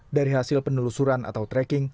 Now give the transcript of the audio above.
dari hasil penelusuran atau tracking